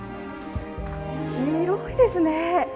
広いですね！